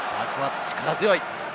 力強い！